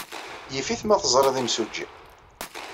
Yif-it ma teẓriḍ imsujji.